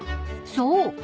［そう。